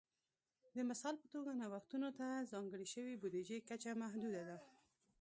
د مثال په توګه نوښتونو ته ځانګړې شوې بودیجې کچه محدوده وه